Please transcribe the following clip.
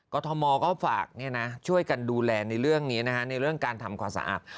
ทมก็ฝากช่วยกันดูแลในเรื่องนี้ในเรื่องการทำความสะอาด